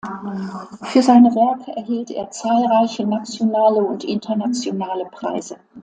Für seine Werke erhielt er zahlreiche nationale und internationale Preise.